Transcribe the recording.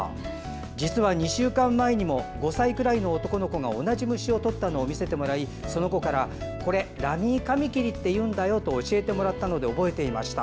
実は２週間前にも５歳くらいの男の子が同じ虫を捕ったのを見せてもらいその子からこれ、ラミーカミキリというんだよと教えてもらったので覚えていました。